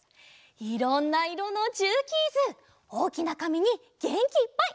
いろんないろのジューキーズおおきなかみにげんきいっぱいかいてくれたね。